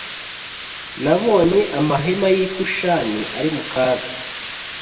Nabonye amahema y i Kushani ari mu kaga